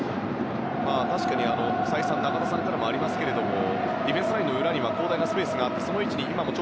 確かに再三中田さんからもありますがディフェンスラインの裏には広大なスペースがあります。